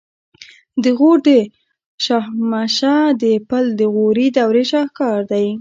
د غور د شاهمشه د پل د غوري دورې شاهکار دی